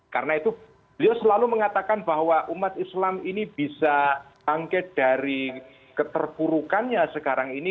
karena itu beliau selalu mengatakan bahwa umat islam ini bisa angket dari keterpurukannya sekarang ini